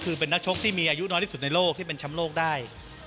คือเป็นนักชกที่มีอายุน้อยที่สุดในโลกที่เป็นแชมป์โลกได้